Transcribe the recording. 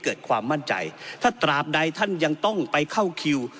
เกิดความมั่นใจถ้าตราบใดท่านยังต้องไปเข้าคิว